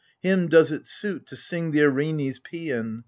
Him does it suit to sing the Erinues' paian.